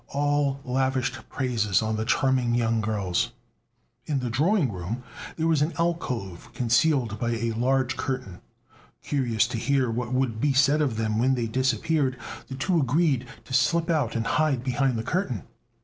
All lavished praises on the charming young girls. In the drawing room there was an alcove concealed by a large curtain. Curious to hear what would be said of them when they disappeared, the two agreed to slip out and hide behind the curtain.